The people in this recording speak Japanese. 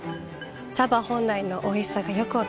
茶葉本来のおいしさがよく分かります。